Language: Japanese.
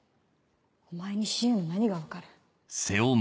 お前に蚩尤の何が分かる。